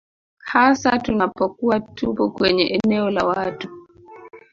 hasa tunapokuwa tupo kwenye eneo la watu